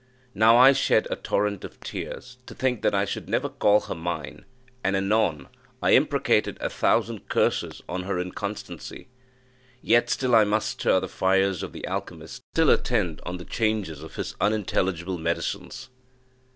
Now I shed a torrent of tears, to think that I should never call her mine; and, anon, I imprecated a thousand curses on her inconstancy. Yet, still I must stir the fires of the alchymist, still attend on the changes of his unintelligible medicines.